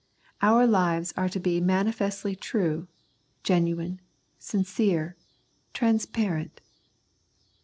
Our lives are to be mani festly true, genuine, sincere, " transparent."